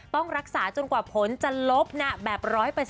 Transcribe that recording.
ต้องรักษาจนกว่าผลจะลบแบบ๑๐๐